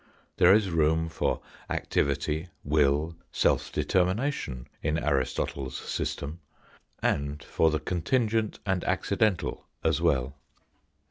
There is room for activity, will, self determination, in Aristotle's system, and for the contingent and accidental as well.